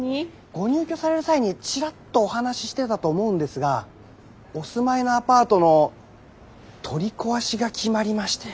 ご入居される際にチラッとお話ししてたと思うんですがお住まいのアパートの取り壊しが決まりまして。